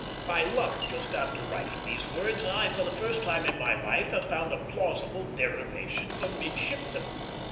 By luck, just after writing these words, I for the first time in my life have found a plausible derivation for midshipman.